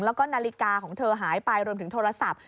แล้วก็นาฬิกาของเธอหายไปรวมถึงโทรศัพท์